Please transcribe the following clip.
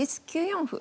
９四歩。